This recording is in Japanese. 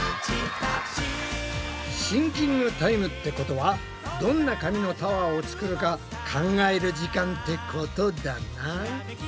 シンキングタイムってことはどんな紙のタワーを作るか考える時間ってことだな。